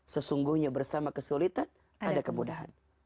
sesungguhnya bersama kesulitan ada kemudahan